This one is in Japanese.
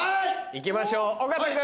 行きましょう尾形君。